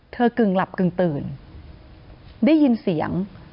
กึ่งหลับกึ่งตื่นได้ยินเสียง